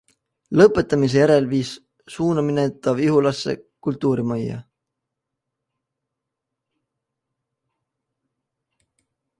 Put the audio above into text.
Lõpetamise järel viis suunamine ta Vihulasse kultuurimajja.